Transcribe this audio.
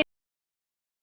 terima kasih pak yana